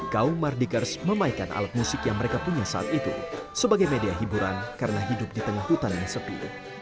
kaum mardikers memainkan alat musik yang mereka punya saat itu sebagai media hiburan karena hidup di tengah hutan yang sepi